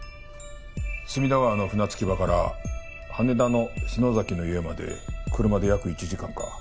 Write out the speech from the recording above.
隅田川の船着場から羽田の篠崎の家まで車で約１時間か。